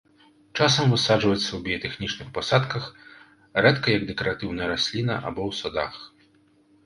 Часам высаджваецца ў біятэхнічных пасадках, рэдка як дэкаратыўная расліна або ў садах.